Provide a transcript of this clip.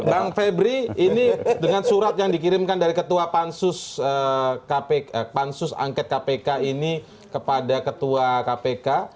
bang febri ini dengan surat yang dikirimkan dari ketua pansus angket kpk ini kepada ketua kpk